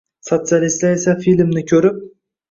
Sotsialistlar esa filmni ko‘rib